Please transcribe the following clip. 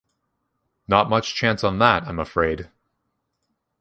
Not much chance on that, I'm afraid.